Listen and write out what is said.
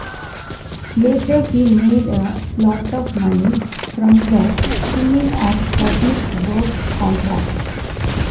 Later, he made a lot of money from the skimming of public works contracts.